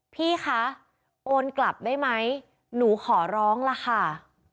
พี่คะโอนกลับได้ไหมหนูขอร้องล่ะค่ะ